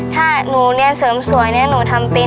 ถ้าหนูเรียนเสริมสวยเนี่ยหนูทำเป็น